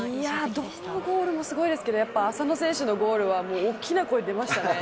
どんなゴールもすごいですけど浅野選手のゴールは大きな声が出ましたね。